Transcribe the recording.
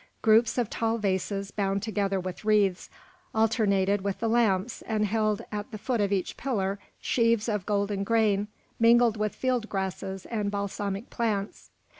Groups of tall vases, bound together with wreaths, alternated with the lamps and held at the foot of each pillar sheaves of golden grain mingled with field grasses and balsamic plants.